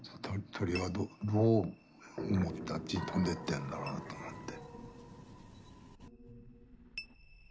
鳥はどう思ってあっちに飛んでってんだろうなと思って。